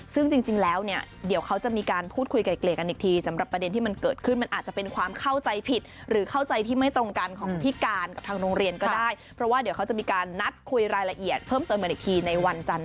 ซึ่งจริงแล้วเดี๋ยวเขาจะมีการพูดคุยไกลกันอีกที